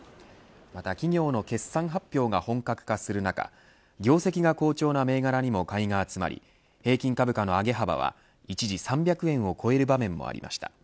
また企業の決算発表が本格化する中業績が好調な銘柄にも買いが集まり平均株価の上げ幅は一時３００円を超える場面もありました。